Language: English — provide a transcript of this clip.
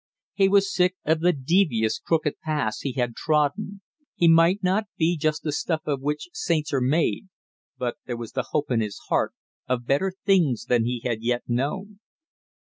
He was sick of the devious crooked paths he had trodden; he might not be just the stuff of which saints are made, but there was the hope in his heart of better things than he had yet known.